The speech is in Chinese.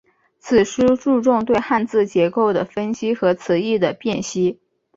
此书注重对汉字结构的分析和词义的辨析。